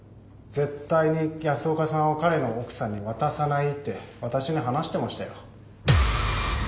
絶対に安岡さんを彼の奥さんに渡さないって私に話してましたよ。